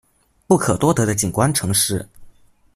不可多得的景观城市